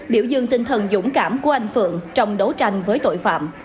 biểu dương tinh thần dũng cảm của anh phượng trong đấu tranh với tội phạm